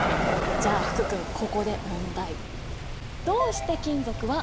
じゃあ福君ここで問題。